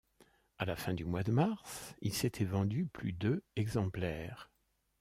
À la fin du mois de mars, il s'était vendu plus de exemplaires.